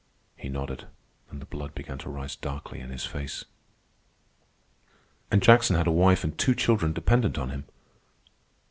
He nodded, and the blood began to rise darkly in his face. "And Jackson had a wife and two children dependent on him."